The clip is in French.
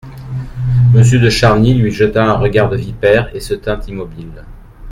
Monsieur de Charny lui jeta un regard de vipère et se tint immobile.